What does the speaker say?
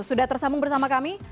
sudah tersambung bersama kami